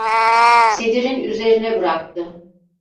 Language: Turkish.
Sedirin üzerine bıraktı.